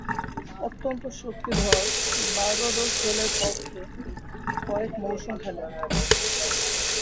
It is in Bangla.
অত্যন্ত শক্তিধর বার্বাডোস দলের পক্ষে কয়েক মৌসুম খেলেন।